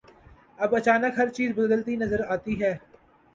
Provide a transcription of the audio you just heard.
اب اچانک ہر چیز بدلتی نظر آتی ہے۔